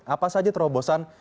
apa saja terobosan